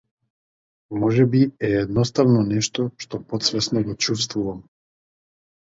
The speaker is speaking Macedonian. Можеби е едноставно нешто што потсвесно го чувствуваат.